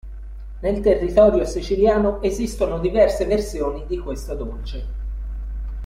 Nel territorio siciliano esistono diverse versioni di questo dolce.